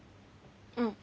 うん。